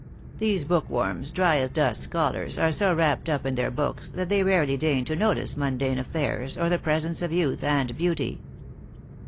These bookworms, dry as dust scholars, are so wrapped up in their books, that they rarely deign to notice mundane affairs, or the presence of youth and beauty."